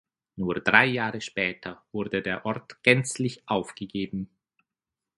Nur drei Jahre später wurde der Ort gänzlich aufgegeben.